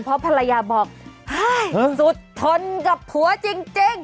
เพราะภรรยาบอกเฮ้ยสุดทนกับผัวจริง